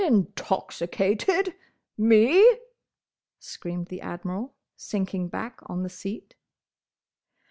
"Intoxicated!—Me!" screamed the Admiral, sinking back on the seat.